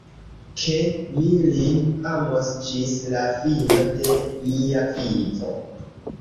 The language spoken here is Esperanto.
Ke mi lin amos ĝis la fino de mia vivo.